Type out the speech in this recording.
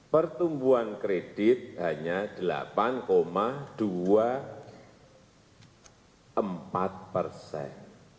pertumbuhan kredit hanya delapan dua puluh empat persen